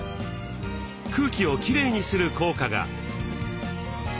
空気をきれいにする効果が。